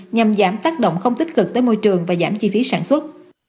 nhằm giảm tác động không tích cực tới môi trường và giảm chi phí sản xuất